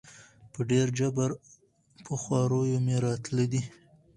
په ډېر جبر په خواریو مي راتله دي